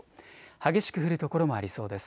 激しく降る所もありそうです。